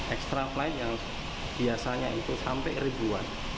extra flight yang biasanya itu sampai ribuan